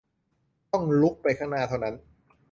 ต้องรุกไปข้างหน้าเท่านั้น